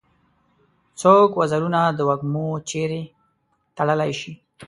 څوک وزرونه د وږمو چیري تړلای شي؟